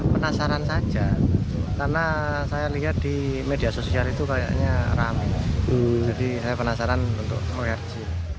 penasaran saja karena saya lihat di media sosial itu kayaknya rame jadi saya penasaran untuk orgy